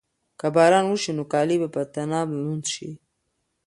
که باران وشي نو کالي به په طناب لوند شي.